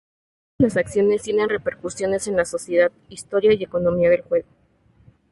Todas las acciones tienen repercusiones en la sociedad, historia y economía del juego.